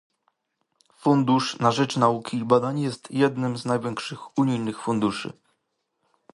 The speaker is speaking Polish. Fundusz na rzecz nauki i badań jest jednym z największych unijnych funduszy